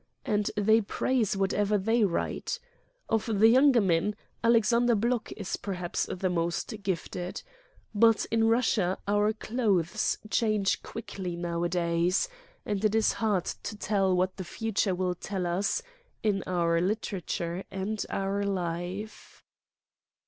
And they praise whatever they write. Of the younger men, Alexander Blok is perhaps the most gifted. But in Russia our clothes change quickly nowadays, and it is hard to tell what the future will tell us in our literature and our life.